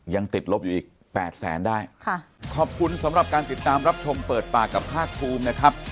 ยังติดลบอยู่อีกแปดแสนได้ค่ะขอบคุณสำหรับการติดตามรับชมเปิดปากกับภาคภูมินะครับ